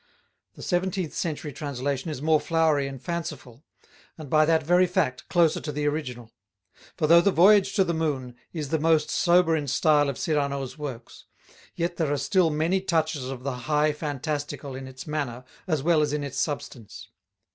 The seventeenth century translation is more flowery and fanciful, and by that very fact closer to the original. For though the Voyage to the Moon is the most sober in style of Cyrano's works, yet there are still many touches of the "high fantastical" in its manner as well as in its substance.